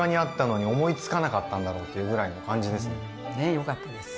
よかったです。